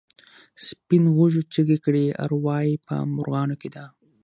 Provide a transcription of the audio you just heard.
سپین غوږو چیغې کړې اروا یې په مرغانو کې ده.